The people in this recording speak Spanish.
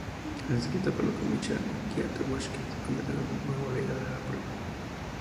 El ciclista polaco Michał Kwiatkowski se convirtió en el nuevo líder de la prueba.